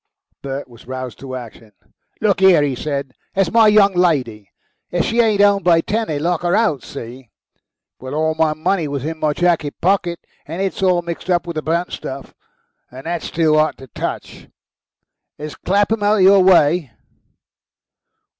Bert was roused to action. "Look here," he said. "There's my young lady. If she ain't 'ome by ten they lock her out. See? Well, all my money was in my jacket pocket, and it's all mixed up with the burnt stuff, and that's too 'ot to touch. Is Clapham out of your way?"